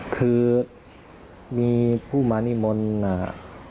คือมีผู้มานิมนต์นะครับ